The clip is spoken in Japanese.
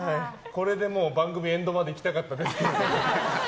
これで番組エンドまでいきたかったですけど。